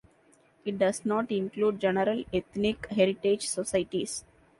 It does not include general ethnic heritage societies.